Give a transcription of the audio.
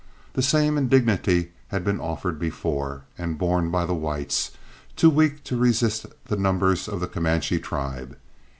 The same indignity had been offered before, and borne by the whites, too weak to resist the numbers of the Comanche tribe.